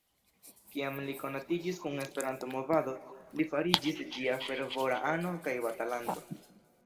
Kiam li konatiĝis kun Esperanto-movado, li fariĝis ĝia fervora ano kaj batalanto.